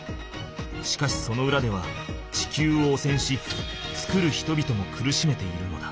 しかしそのうらでは地球をおせんし作る人々も苦しめているのだ。